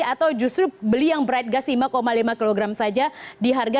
atau justru beli yang bright gas lima lima kg saja di harga